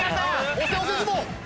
押せ押せ相撲！